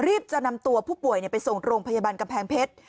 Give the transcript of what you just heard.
รีบจะนำตัวผู้ป่วยนี้ไปส่งโรงพยาบาลกำเเพ็งเพชย์